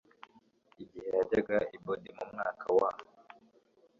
igihe yajyaga i bod mu mwaka wa